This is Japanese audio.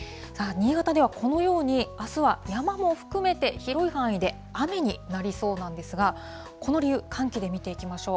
新潟ではこのように、あすは山も含めて広い範囲で雨になりそうなんですが、この理由、寒気で見ていきましょう。